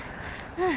うん。